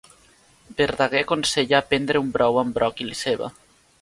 Verdaguer aconsella prendre un brou amb bròquil i ceba.